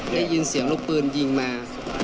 ได้ยินเสียงลูกปืนยิงมา